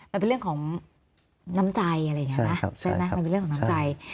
มันเป็นเรื่องของน้ำใจอะไรอย่างนี้นะใช่ไหมมันเป็นเรื่องของน้ำใจ